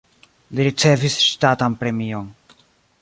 Li ricevis ŝtatan premion.